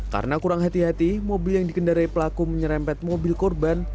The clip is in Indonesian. karena kurang hati hati mobil yang dikendarai pelaku menyerempet mobil korban